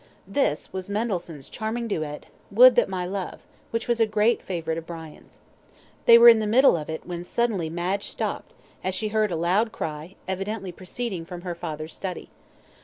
This was Mendelssohn's charming duet, "Would that my Love," which was a great favourite of Brian's. They were in the middle of it when suddenly Madge stopped, as she heard a loud cry, evidently proceeding from her father's study.